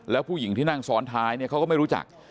แล้วผู้หญิงที่นั่งซ้อนท้ายเนี่ยเขาก็ไม่รู้จัก